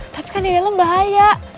tapi kan helm bahaya